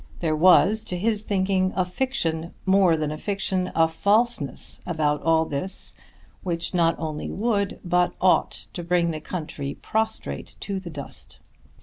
There was to his thinking a fiction, more than fiction, a falseness, about all this which not only would but ought to bring the country prostrate to the dust.